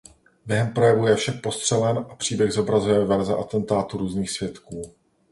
Během projevu je však postřelen a příběh zobrazuje verze atentátu různých svědků.